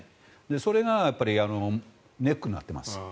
それがやっぱりネックになっています。